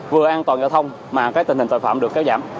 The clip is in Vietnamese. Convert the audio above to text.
vừa an toàn giao thông mà cái tình hình tội phạm được kéo giảm